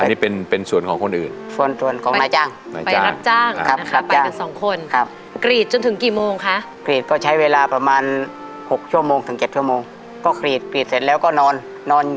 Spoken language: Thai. อันนี้เป็นเป็นส่วนของคนอื่น